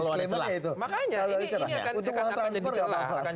prima itu makanya untuk melakukan